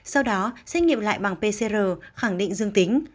sau đó xét nghiệm lại bằng pcr khẳng định dương tính